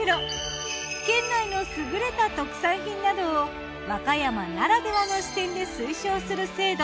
県内の優れた特産品などを和歌山ならではの視点で推奨する制度